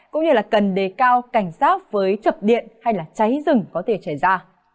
cũng như là cần đề cao cảnh sát với trập điện hay cháy rừng có thể trải ra